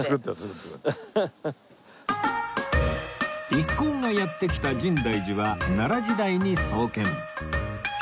一行がやって来た深大寺は奈良時代に創建